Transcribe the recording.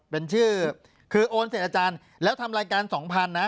เป็นชื่อคือโอนเสร็จอาจารย์แล้วทำรายการสองพันนะ